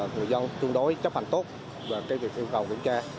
người dân tương đối chấp hành tốt về việc yêu cầu kiểm tra